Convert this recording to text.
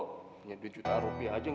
punya dua jutaan rupiah aja ga apa apa